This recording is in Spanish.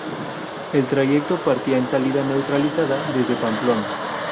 El trayecto partía en salida neutralizada desde Pamplona.